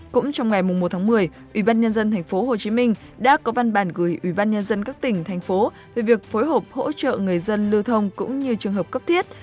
cũng trong ngày một một mươi ủy ban nhân dân thành phố hồ chí minh đã có văn bản gửi ủy ban nhân dân các tỉnh thành phố về việc phối hợp hỗ trợ người dân lưu thông cũng như trường hợp cấp thiết